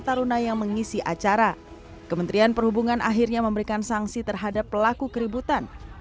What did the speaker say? taruna yang mengisi acara kementerian perhubungan akhirnya memberikan sanksi terhadap pelaku keributan